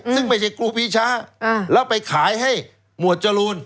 ซึ่งไม่ใช่ครูปีชาแล้วไปขายให้หมวดจรูน